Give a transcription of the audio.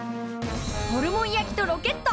ホルモン焼きとロケット。